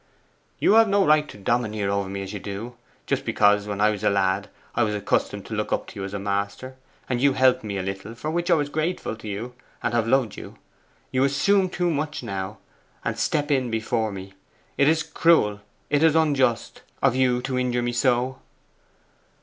'You have no right to domineer over me as you do. Just because, when I was a lad, I was accustomed to look up to you as a master, and you helped me a little, for which I was grateful to you and have loved you, you assume too much now, and step in before me. It is cruel it is unjust of you to injure me so!